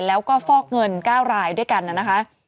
แล้วก็ฟอกเงิน๙รายด้วยกันนะคะ